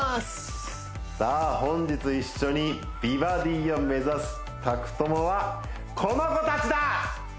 さあ本日一緒に美バディを目指す宅トモはこの子たちだ！